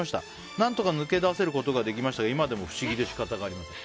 何とか抜け出せることができましたが今でも不思議で仕方ありません。